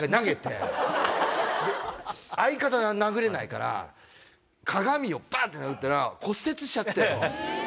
相方は殴れないから鏡をバンって殴ったら骨折しちゃって。